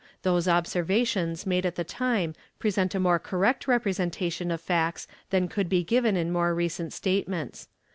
Those observations made at the time present a more correct representation of facts than could be given in more recent statements.